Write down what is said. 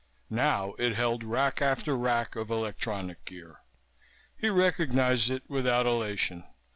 Now it held rack after rack of electronic gear. He recognized it without elation.